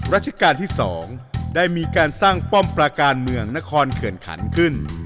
ราชการที่๒ได้มีการสร้างป้อมประการเมืองนครเขื่อนขันขึ้น